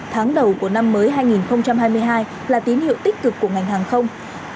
tháng đầu của năm mới hai nghìn hai mươi hai là tín hiệu tích cực của ngành hàng không